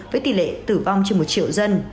với tỷ lệ tử vong trên một triệu dân